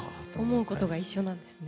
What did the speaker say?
思うことが一緒なんですね。